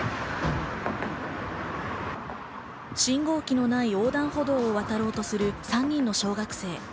信号機のない横断歩道を渡ろうとする３人の小学生。